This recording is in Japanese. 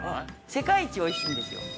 世界一美味しいんですよ。